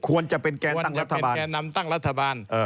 ควรจะเป็นแกนตั้งรัฐบาลควรจะเป็นแกนนำตั้งรัฐบาล